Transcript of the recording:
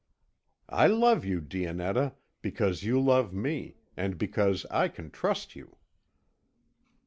"I love you, Dionetta, because you love me, and because I can trust you."